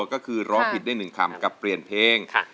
ก็คือร้องผิดได้๑คำกับเปลี่ยนเพลง